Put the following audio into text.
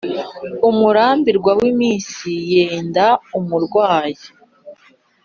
umurambirwa w'iminsi yenda umurwayì.